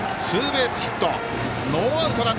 ツーベースヒット。